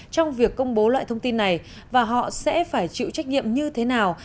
trong việc công bố loại thông tin này và họ sẽ phải chịu trách nhiệm như thế nào